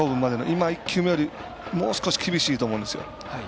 今、１球目よりももう少し厳しいと思うんですよ。